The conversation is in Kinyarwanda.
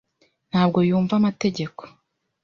ntabwo yumva amategeko.